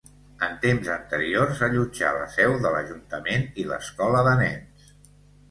En temps anteriors allotjà la seu de l'Ajuntament i l'Escola de nens.